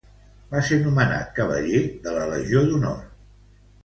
Va ser nomenat cavaller de la Legió d'Honor.